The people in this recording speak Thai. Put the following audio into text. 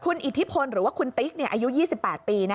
คุณอิทธิพลหรือว่าคุณติ๊กอายุ๒๘ปี